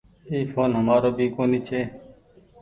اي ڦون همآرو ڀي ڪونيٚ ڇي ۔